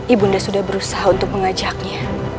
ibu bunda sudah berusaha untuk mengajaknya